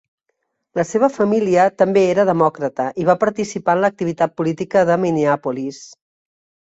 La seva família també era Demòcrata i va participar en l'activitat política de Minneapolis.